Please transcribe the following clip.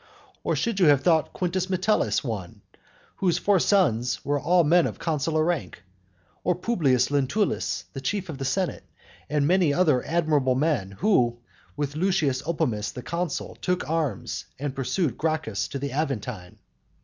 or should you have thought Quintus Metellus one, whose four sons were all men of consular rank? or Publius Lentulus the chief of the senate, and many other admirable men, who, with Lucius Opimius the consul, took arms, and pursued Gracchus to the Aventine?